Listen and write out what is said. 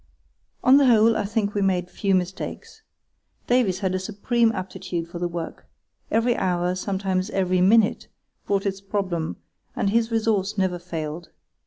On the whole I think we made few mistakes. Davies had a supreme aptitude for the work. Every hour, sometimes every minute, brought its problem, and his resource never failed.